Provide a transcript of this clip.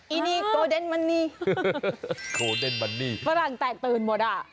อีนี่โกเดนมันนี่โกเดนมันนี่ฝรั่งแตกตื่นหมดอ่ะ